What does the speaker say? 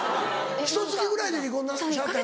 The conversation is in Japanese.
ひと月ぐらいで離婚しはったよな。